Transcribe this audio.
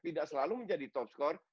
tidak selalu menjadi topscorer